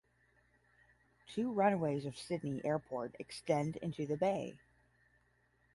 Two runways of Sydney Airport extend into the bay.